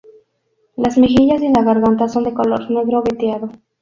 Las mejillas y la garganta son de color negro veteado.